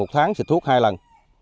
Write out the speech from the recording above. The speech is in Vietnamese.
một tháng xịt thuốc hai lần